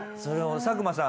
佐久間さん